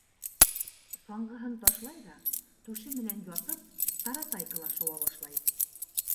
Саңғыһын ташлай ҙа, түше менән ятып, таратайкала шыуа башлай.